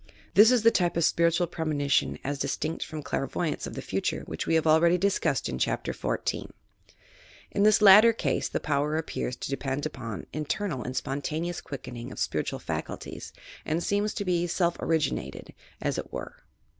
This is the type of spiritual premonition, as distinct from clairvoyance of the future, which we have already discussed in Chap ter XIV, In this latter ease the power appears to depend upon internal and spontaneous quickening of spiritual faculties and seems to be self originated, as it were.